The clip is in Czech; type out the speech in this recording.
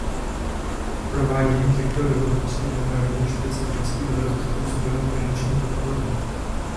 K provádění těchto dohod poskytneme rovněž specificky uzpůsobenou finanční podporu.